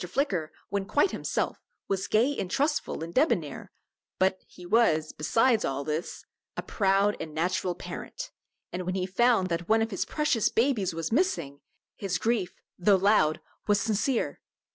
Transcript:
Flicker, when quite himself, was gay and trustful and debonair, but he was, besides all this, a proud and natural parent, and when he found that one of his precious babies was missing, his grief, though loud, was sincere.